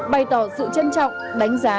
bày tỏ sự trân trọng đánh giá